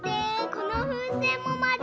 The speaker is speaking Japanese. このふうせんもまる！